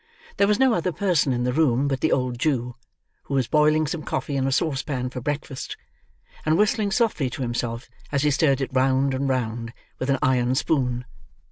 There was no other person in the room but the old Jew, who was boiling some coffee in a saucepan for breakfast, and whistling softly to himself as he stirred it round and round, with an iron spoon.